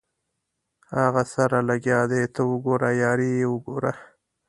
هغسې سره لګیا دي ته وګوره یاري یې وګوره.